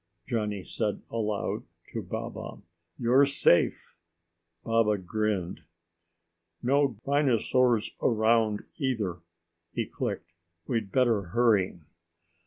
Johnny said aloud to Baba. "You're safe!" Baba grinned. "No rhinosaurs around either," he clicked. "We'd better hurry."